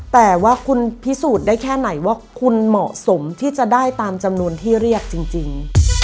แต่ว่าคุณพิสูจน์ได้แค่ไหนว่าคุณเหมาะสมที่จะได้ตามจำนวนที่เรียกจริง